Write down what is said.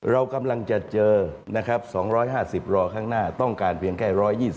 เรากำลังจะเจอนะครับ๒๕๐รอข้างหน้าต้องการเพียงแค่๑๒๐